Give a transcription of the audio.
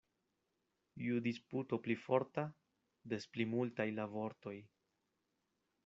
Ju disputo pli forta, des pli multaj la vortoj.